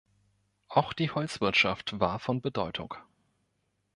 Auch die Holzwirtschaft war von Bedeutung.